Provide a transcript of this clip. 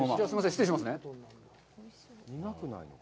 失礼しますね。